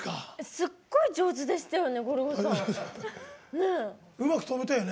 すごい上手でしたよね。